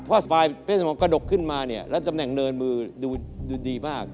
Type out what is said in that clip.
พอสปายเพศสมองกระดกขึ้นมาเนี่ยแล้วตำแหน่งเนินมือดูดีมาก